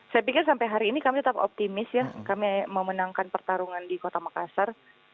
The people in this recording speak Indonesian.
saya pikir sampai hari ini kami tetap optimis ya kami memenangkan pertarungan di kota makassar